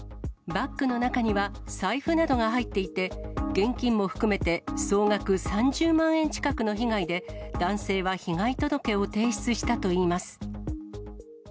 バッグの中には財布などが入っていて、現金も含めて総額３０万円近くの被害で、男性は被害届を提出したといいます。